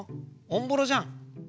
おんぼろじゃん。